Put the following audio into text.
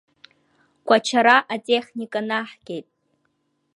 Кәачара атехника наҳгеит.